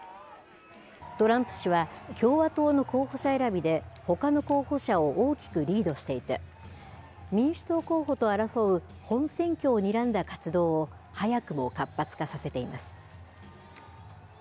トランプ氏は共和党の候補者選びでほかの候補者を大きくリードしていて民主党候補と争う本選挙をにらんだ活動を早くも活発化させています。